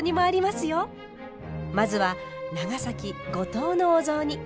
まずは長崎・五島のお雑煮。